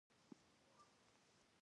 دا د هغه خپله غزل او خاص انداز وو.